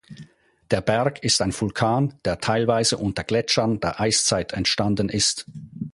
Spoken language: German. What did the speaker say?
Der Berg ist ein Vulkan, der teilweise unter Gletschern der Eiszeit entstanden ist.